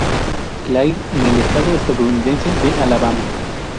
Clair en el estado estadounidense de Alabama.